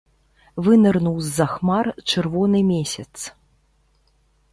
Вынырнуў з-за хмар чырвоны месяц.